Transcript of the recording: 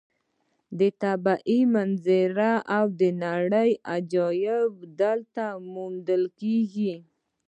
طبیعي منظرې او د نړۍ عجایب دلته موندل کېږي.